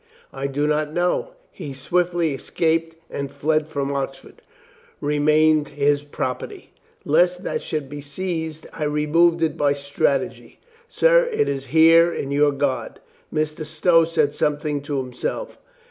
I do not know. He swiftly escaped and fled from Oxford, Remained his prop erty. Lest that should be seized I removed it by strategy. Sir, it is here in your guard." Mr. Stow said something to himself.